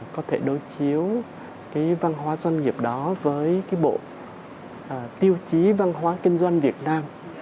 có thể đối chiếu cái văn hóa doanh nghiệp đó với cái bộ tiêu chí văn hóa kinh doanh việt nam